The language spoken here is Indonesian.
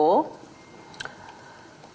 sekarang ini sudah